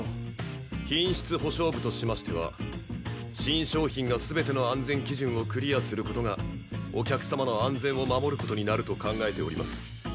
品質保証部としましては新商品が全ての安全基準をクリアする事がお客様の安全を守る事になると考えております。